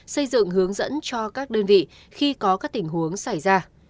xây dựng hướng dẫn cho các đơn vị khi có các tình huống xảy ra